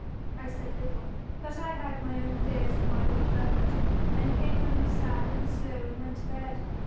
I said little, but had my own fears for my lord Herbert, and came home sad and slow and went to bed.